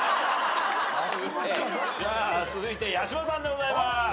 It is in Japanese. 続いて八嶋さんでございます。